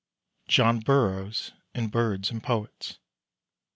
John Burroughs in "Birds and Poets."